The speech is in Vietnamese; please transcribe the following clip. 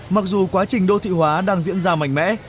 mặc dù quá trình đô thị hóa đang diễn ra mạnh mẽ